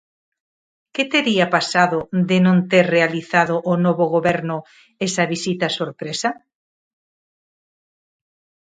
Que tería pasado de non ter realizado o novo goberno esa visita sorpresa?